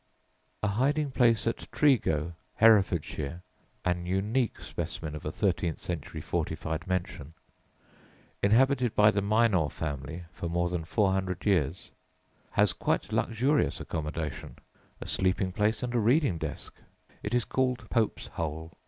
A hiding place at Treago, Herefordshire (an unique specimen of a thirteenth century fortified mansion) inhabited by the Mynor family for more than four hundred years), has quite luxurious accommodation a sleeping place and a reading desk. It is called "Pope's Hole."